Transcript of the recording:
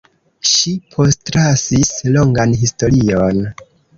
Ŝi postlasis longan historion.